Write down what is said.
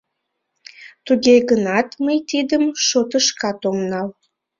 Туге гынат мый тидым шотышкат ом нал.